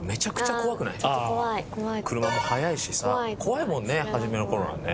車も速いしさ怖いもんね初めの頃はね。